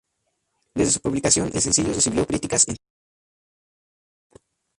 Desde su publicación, el sencillo recibió críticas entusiastas.